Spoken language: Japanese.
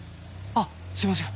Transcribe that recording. あっすいません。